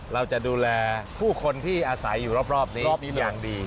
เราจะดูแลผู้คนที่อาศัยอยู่รอบนี้อย่างดี